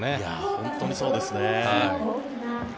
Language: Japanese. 本当にそうですね。